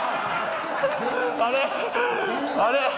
あれ？